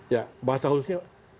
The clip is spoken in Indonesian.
ya bahasa harusnya